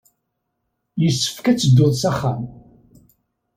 Yessefk ad dduɣ s axxam.